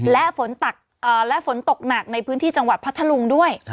และฝนตกหนักในพื้นที่จังหวัดพัทธลุงด้วย